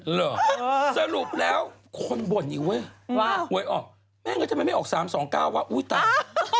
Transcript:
เหรอสรุปแล้วคนบ่นอีกเว้ยว่าหวยออกแม่งั้นทำไมไม่ออก๓๒๙ว่าอุ๊ยตาย